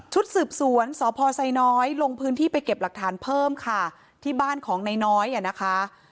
สืบสวนสพไซน้อยลงพื้นที่ไปเก็บหลักฐานเพิ่มค่ะที่บ้านของนายน้อยอ่ะนะคะ